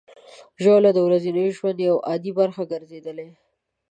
ژاوله د ورځني ژوند یوه عادي برخه ګرځېدلې.